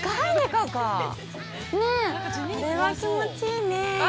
◆これは気持ちいいねぇ。